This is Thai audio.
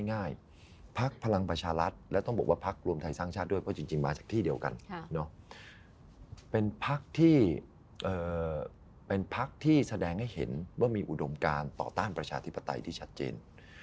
พักตนแบบสันใจวงทัยสมัยของพักฝ่ายสรรคพลังประชารัศน์และต้องบอกว่าพักหลวมไทยสร้างชาติด้วยผมจริงมาจากที่เดียวกันเป็นภาคที่แสดงให้เห็นมีอุดมการต่อต้านประชาธิปไตย